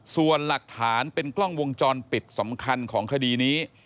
ส่วนหลักฐานเป็นกล้องวงจรปิดสำคัญของคดีนี้